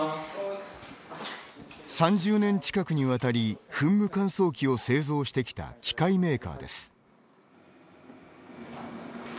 ３０年近くにわたり噴霧乾燥機を製造してきた機械メーカーです。